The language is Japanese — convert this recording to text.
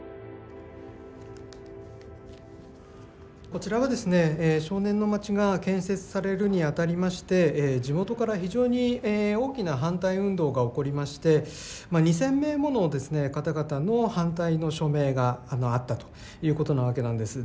こちらがですね少年の町が建設されるにあたりまして地元から非常に大きな反対運動が起こりまして２，０００名もの方々の反対の署名があったということなわけなんです。